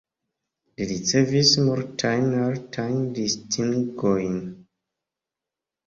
Li ricevis multajn altajn distingojn.